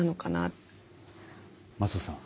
松尾さん。